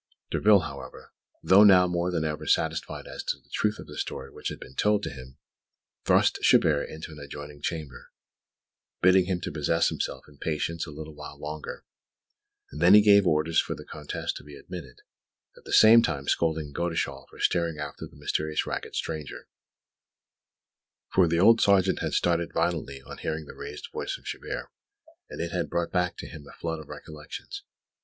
Derville, however, though now more than ever satisfied as to the truth of the story which had been told to him, thrust Chabert into an adjoining chamber, bidding him to possess himself in patience a little while longer; and then he gave orders for the Comtesse to be admitted, at the same time scolding Godeschal for staring after the mysterious ragged stranger for the old sergeant had started violently on hearing the raised voice of Chabert, and it had brought back to him a flood of recollections.